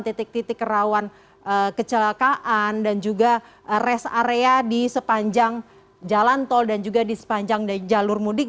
titik titik rawan kecelakaan dan juga rest area di sepanjang jalan tol dan juga di sepanjang jalur mudik